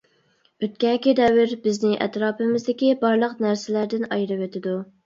ئۆتكەنكى دەۋر بىزنى ئەتراپىمىزدىكى بارلىق نەرسىلەردىن ئايرىۋېتىدۇ.